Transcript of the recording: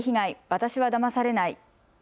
私はだまされない。